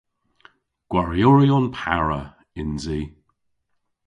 Gwarioryon para yns i.